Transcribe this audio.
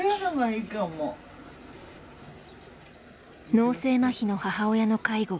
脳性まひの母親の介護。